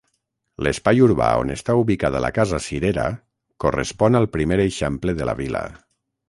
L'espai urbà on està ubicada la Casa Cirera correspon al primer eixample de la vila.